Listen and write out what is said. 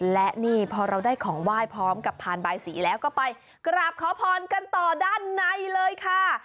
และนี่พอเราได้ของไหว้พร้อมกับพานบายสีแล้วก็ไปกราบขอพรกันต่อด้านในเลยค่ะ